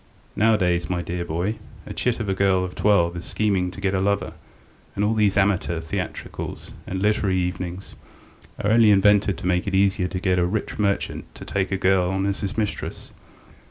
Nowadays, my dear boy, a chit of a girl of twelve is scheming to get a lover, and all these amateur theatricals and literary evenings are only invented to make it easier to get a rich merchant to take a girl on as his mistress.